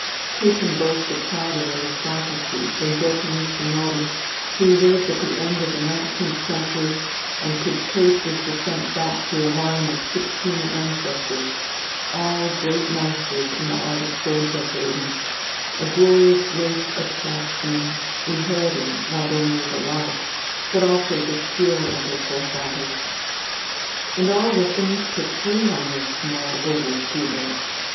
Who can boast a prouder aristocracy than Goto Mitsunori, who lived at the end of the nineteenth century and could trace his descent back through a line of sixteen ancestors, all great masters in the art of sword decorating, a glorious race of craftsmen, inheriting not only the life, but also the skill of their fore fathers. And all the things portrayed on those small oval tsubas!